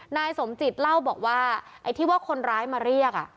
นายสมจิตเล่าบอกว่าไอ้ที่ว่าคนร้ายมาเรียก